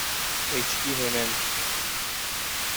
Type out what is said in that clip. H. T. Hayman.